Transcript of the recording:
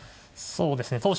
そうですね